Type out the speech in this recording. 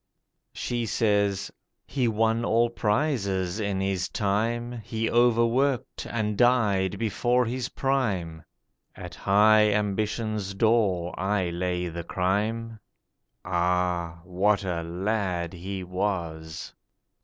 She says: 'He won all prizes in his time: He overworked, and died before his prime. At high ambition's door I lay the crime. Ah, what a lad he was!